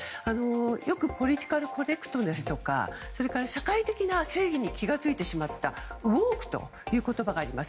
よくポリティカルコレクトネスとか社会的な正義に気が付いてしまったウォークという言葉があります。